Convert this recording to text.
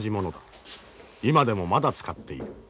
今でもまだ使っている。